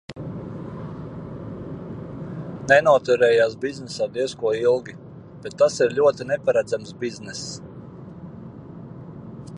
Nenoturējās biznesā diez ko ilgi, bet tas ir ļoti neparedzams bizness.